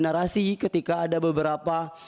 narasi ketika ada beberapa